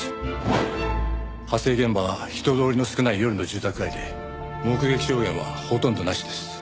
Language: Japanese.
発生現場は人通りの少ない夜の住宅街で目撃証言はほとんどなしです。